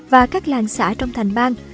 và các làng xã trong thành bang